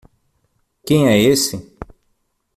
Quem é esse?